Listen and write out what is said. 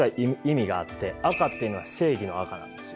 赤っていうのは正義の赤なんですよ。